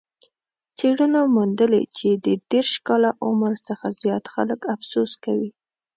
څېړنو موندلې چې د دېرش کاله عمر څخه زیات خلک افسوس کوي.